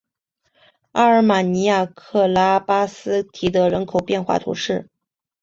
阿尔马尼亚克拉巴斯提德人口变化图示